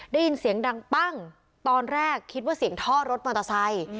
ได้ยินเสียงดังปั้งตอนแรกคิดว่าเสียงท่อรถมอเตอร์ไซค์